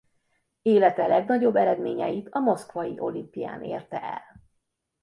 Élete legnagyobb eredményeit a moszkvai olimpián érte el.